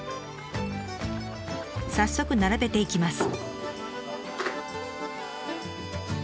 早速並べていきます。